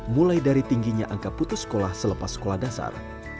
mulai dari tingginya angka putus sekolah selepas sekolah dasar